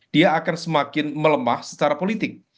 dia akan semakin melemah secara politik